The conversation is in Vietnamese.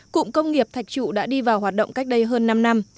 cụm công nghiệp thạch trụ đã đi vào hoạt động cách đây hơn năm năm